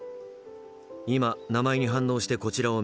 今名前に反応してこちらを見た。